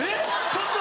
ちょっと！